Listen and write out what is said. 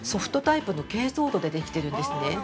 ソフトタイプの珪藻土でできているんですね。